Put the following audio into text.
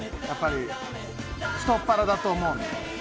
太っ腹だと思うね。